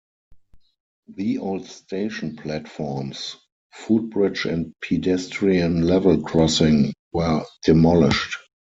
The old station platforms, footbridge and pedestrian level crossing were demolished.